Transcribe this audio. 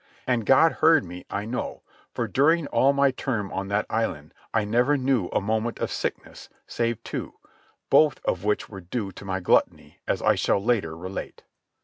And God heard me, I know, for during all my term on that island I knew never a moment of sickness, save two, both of which were due to my gluttony, as I shall later relate.